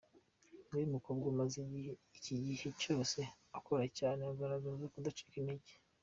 Ni we mukobwa umaze iki gihe cyose akora cyane, agaragaza kudacika intege.